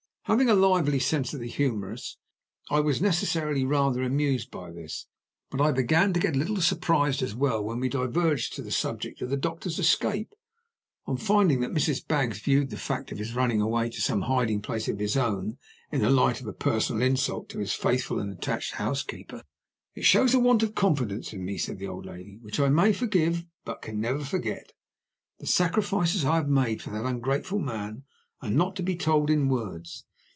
Having a lively sense of the humorous, I was necessarily rather amused by this; but I began to get a little surprised as well, when we diverged to the subject of the doctor's escape, on finding that Mrs. Baggs viewed the fact of his running away to some hiding place of his own in the light of a personal insult to his faithful and attached housekeeper. "It shows a want of confidence in me," said the old lady, "which I may forgive, but can never forget. The sacrifices I have made for that ungrateful man are not to be told in words.